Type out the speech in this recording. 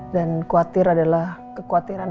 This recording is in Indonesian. dan kuatir adalah kekuatiran